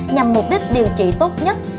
nhằm mục đích điều trị tốt nhất